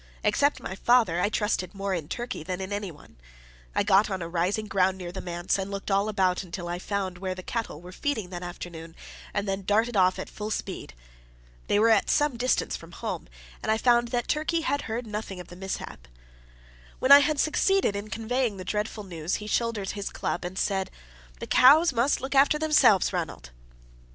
Except my father, I trusted more in Turkey than in anyone. I got on a rising ground near the manse, and looked all about until I found where the cattle were feeding that afternoon, and then darted off at full speed. They were at some distance from home, and I found that Turkey had heard nothing of the mishap. When I had succeeded in conveying the dreadful news, he shouldered his club, and said "The cows must look after themselves, Ranald!"